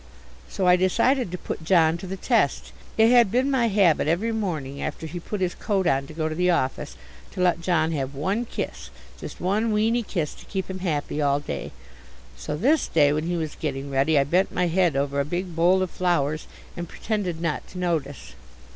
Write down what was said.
So I decided to put John to the test. It had been my habit every morning after he put his coat on to go to the office to let John have one kiss, just one weeny kiss, to keep him happy all day. So this day when he was getting ready I bent my head over a big bowl of flowers and pretended not to notice.